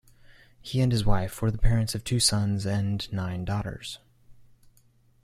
He and his wife were the parents of two sons and nine daughters.